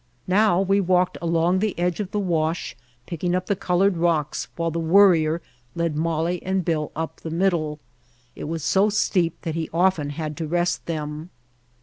Now we walked along the edge of the wash picking up the colored rocks while the Worrier led Molly and Bill up the middle. It was so steep that he often had to rest them.